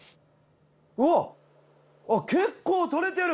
うわっ結構とれてる。